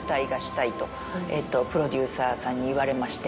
プロデューサーさんに言われまして。